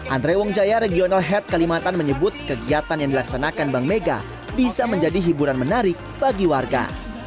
andrewung jaya regional head kalimantan menyebut kegiatan yang dilaksanakan bank mega bisa menjadi hiburan menarik bagi warga